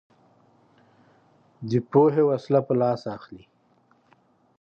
دی پوهې وسله په لاس اخلي